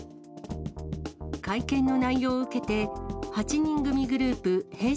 会見の内容を受けて、８人組グループ、Ｈｅｙ！